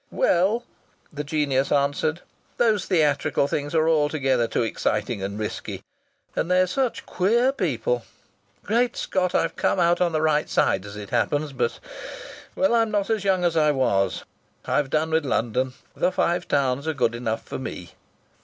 "Well," the genius answered. "Those theatrical things are altogether too exciting and risky! And they're such queer people Great Scott! I've come out on the right side, as it happens, but well, I'm not as young as I was. I've done with London. The Five Towns are good enough for me."